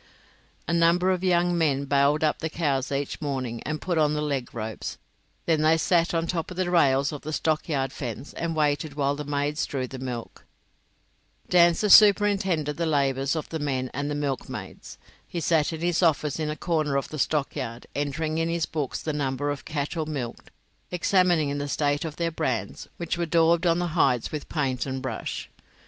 A number of young men bailed up the cows each morning, and put on the leg ropes; then they sat on the top rails of the stockyard fence and waited while the maids drew the milk. Dancer superintended the labours of the men and the milkmaids. He sat in his office in a corner of the stockyard, entering in his books the number of cattle milked, and examining the state of their brands, which were daubed on the hides with paint and brush.